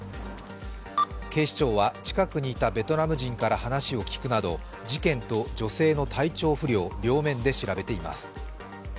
警視庁は近くにいたベトナム人から話を聞くなど事件と女性の体調不良両面で調べています。